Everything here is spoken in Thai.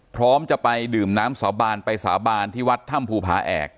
พร้อมจะไปดื่มน้ำสาบานไปสาบานที่วัดถ้ำภูผาแอก